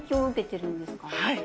はい。